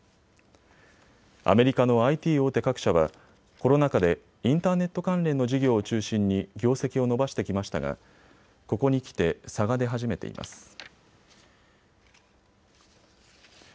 アメリカのＩＴ大手各社はコロナ禍でインターネット関連の事業を中心に業績を伸ばしてきましたがここにきて差が出始めています。